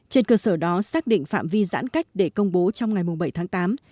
trên cơ sở đó xác định phạm vi giãn cách để công bố trong ngày bảy tháng tám